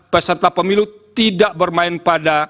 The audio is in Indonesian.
peserta pemilu tidak bermain pada